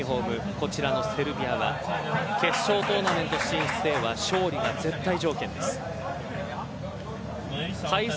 こちらのセルビアは決勝トーナメント進出へは勝利が絶対条件です。